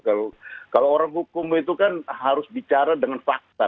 kalau orang hukum itu kan harus bicara dengan fakta